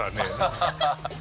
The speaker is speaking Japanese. ハハハハ！